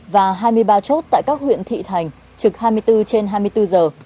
và hai mươi ba chốt tại các huyện thị thành trực hai mươi bốn trên hai mươi bốn giờ